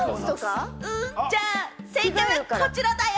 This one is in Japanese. うん、じゃあ正解はこちらだよ！